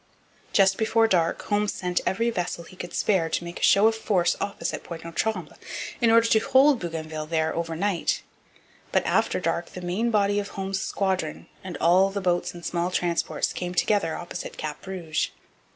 Just before dark Holmes sent every vessel he could spare to make a show of force opposite Pointe aux Trembles, in order to hold Bougainville there overnight. But after dark the main body of Holmes's squadron and all the boats and small transports came together opposite Cap Rouge.